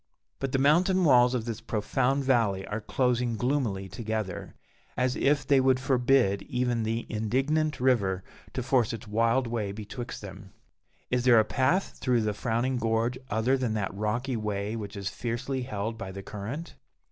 But the mountain walls of this profound valley are closing gloomily together, as if they would forbid even the indignant river to force its wild way betwixt them. Is there a path through the frowning gorge other than that rocky way which is fiercely held by the current?